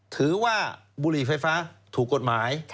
ถือว่าบุหรี่ไฟฟ้าถูกกฎหมาย